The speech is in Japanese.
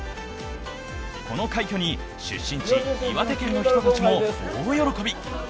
この快挙に出身地・岩手県の人たちも大喜び。